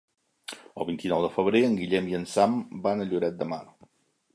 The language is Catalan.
El vint-i-nou de febrer en Guillem i en Sam van a Lloret de Mar.